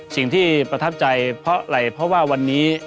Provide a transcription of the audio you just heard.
ประทับใจเพราะอะไรเพราะว่าวันนี้